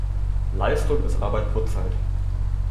Leistung ist Arbeit pro Zeit.